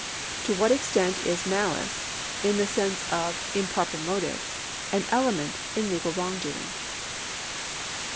To what extent is malice, in the sense of improper motive, an element in legal wrongdoing